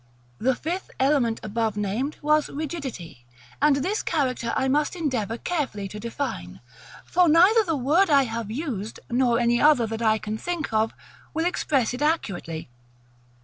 § LXXIII. The fifth element above named was RIGIDITY; and this character I must endeavor carefully to define, for neither the word I have used, nor any other that I can think of, will express it accurately.